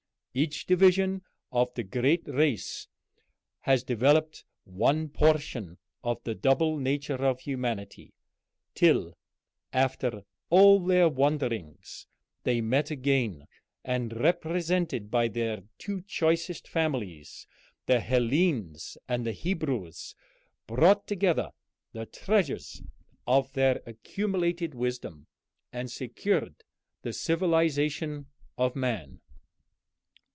Each division of the great race has developed one portion of the double nature of humanity, till, after all their wanderings, they met again, and, represented by their two choicest families, the Hellenes and the Hebrews, brought together the treasures of their accumulated wisdom, and secured the civilization of man."